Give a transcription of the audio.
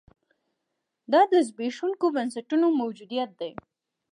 دا د زبېښونکو بنسټونو موجودیت دی.